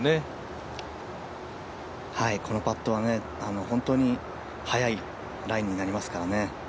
このパットは本当に速いラインになりますからね。